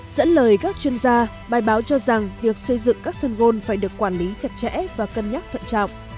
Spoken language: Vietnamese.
dẫn lời các chuyên gia bài báo cho rằng việc xây dựng các sân gôn phải được quản lý chặt chẽ và cân nhắc thận trọng